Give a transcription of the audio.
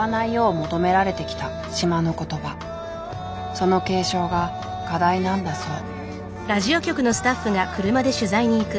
その継承が課題なんだそう。